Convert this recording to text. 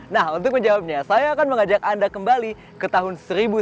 nah untuk menjawabnya saya akan mengajak anda kembali ke tahun seribu sembilan ratus sembilan puluh